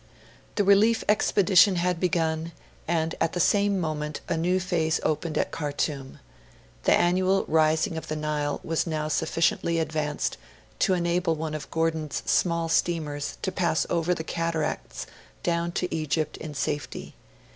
The relief expedition had begun, and at the same moment a new phase opened at Khartoum. The annual rising of the Nile was now sufficiently advanced to enable one of Gordon's small steamers to pass over the cataracts down to Egypt in safety.